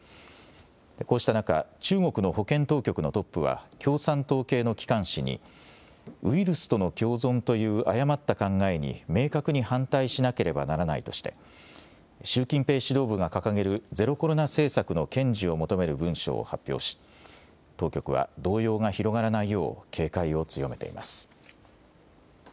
こうした中、中国の保健当局のトップは共産党系の機関紙にウイルスとの共存という誤った考えに明確に反対しなければならないとして習近平指導部が掲げるゼロコロナ政策の堅持を求める文章を発表し当局は動揺が広がらないよう警戒を強めています。